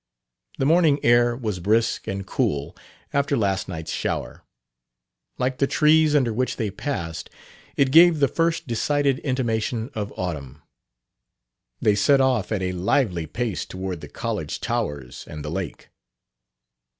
The morning air was brisk and cool after last night's shower. Like the trees under which they passed, it gave the first decided intimation of autumn. They set off at a lively pace toward the college towers and the lake.